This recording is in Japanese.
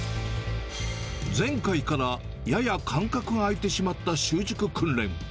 前回からやや間隔が空いてしまった習熟訓練。